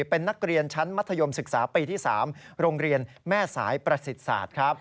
เป็นนักเรียนชั้นมัธยมศึกษาปีที่๓โรงเรียนแม่สายประสิทธิ์ศาสตร์ครับ